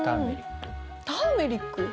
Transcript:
ターメリック！